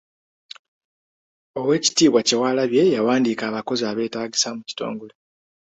Oweekitiibwa Kyewalabye yawandiika abakozi abeetaagisa mu kitongole.